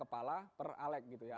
kepala per alek gitu ya